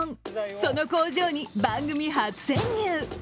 その工場に番組初潜入。